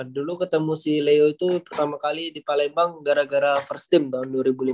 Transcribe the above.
dulu ketemu si leo itu pertama kali di palembang gara gara first team tahun dua ribu lima belas